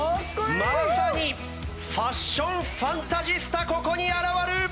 まさにファッションファンタジスタここに現る！